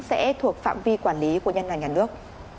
sẽ thuộc phạm vi quản lý của ngân hàng nhà nước